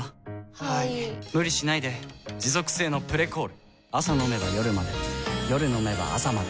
はい・・・無理しないで持続性の「プレコール」朝飲めば夜まで夜飲めば朝まで